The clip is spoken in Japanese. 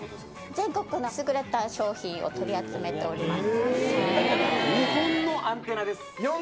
全国の優れた商品を取り集めております。